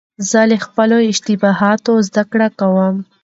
زه له خپلو اشتباهاتو زدهکړه کوم.